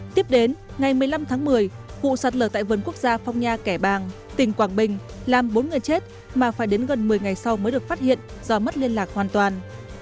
tiếp đến ngày một mươi năm tháng một mươi vụ sạt lở tại vườn quốc gia phong nha kẻ bàng tỉnh quảng bình làm bốn người chết mà phải đến gần một mươi ngày sau mới được phát hiện do mất liên lạc hoàn toàn